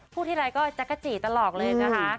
พูดที่ใดก็จ๊ะกะจีตลอดเลยนะคะ